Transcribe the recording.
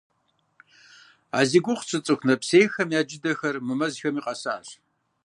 А зи гугъу тщӏы цӏыху нэпсейхэм я джыдэхэр мы мэзхэми къэсащ.